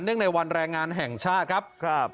เนื่องในวันแรงงานแห่งชาติครับครับ